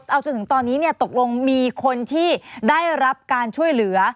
เอาจนถึงตอนนี้ตกลงมีคนที่ได้รับการช่วยเหลือ